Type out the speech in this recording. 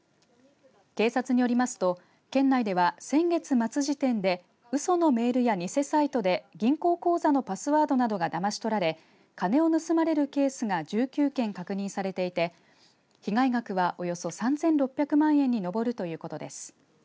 警察によりますと、県内では先月末時点でうそのメールや偽サイトで銀行口座のパスワードなどがだまし取られ金を盗まれるケースが１９件確認されていて被害額はおよそ３６００万円に上るということです。